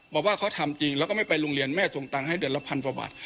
บอกว่าเขาทำจริงแล้วก็ไม่ไปโรงเรียนแม่ส่งตังค์ให้เดือนละพันกว่าบาท